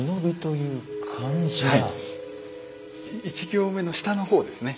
１行目の下の方ですね。